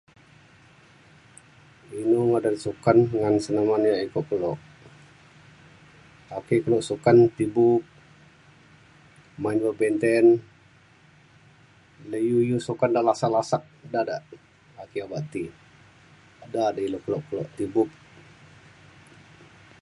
Inu ngadan sukan ngan [unintelligible] yak iko kelo. Ake kelo sukan ti bup main badminton le iu iu sukan de lasak lasak da da ake obak ti. Da da ilu kelo kelo ti bup.